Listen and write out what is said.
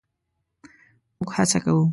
مونږ هڅه کوو